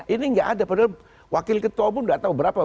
ini gak ada padahal wakil ketua pun gak tahu berapa